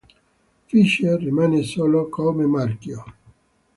Fischer rimane solo come marchio.